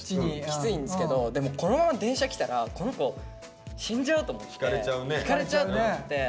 きついんですけどでもこのまま電車来たらこの子死んじゃうと思ってひかれちゃうと思って。